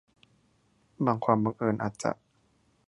บางความบังเอิญอาจจะ